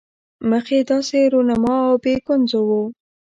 مخ یې داسې رونما او بې ګونځو وو.